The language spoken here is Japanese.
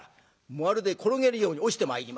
まるで転げるように落ちてまいりました。